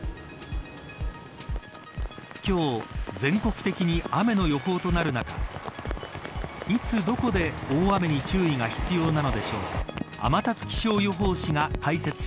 今日全国的に雨の予報となる中いつ、どこで大雨に注意が必要なのでしょうか。